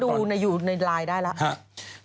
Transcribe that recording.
แต่ว่าดูอยู่ในไลน์ได้แล้ว